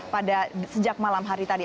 pada sejak malam hari tadi